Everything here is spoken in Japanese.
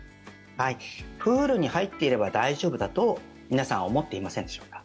プールに入っていれば大丈夫だと皆さんは思っていませんでしょうか。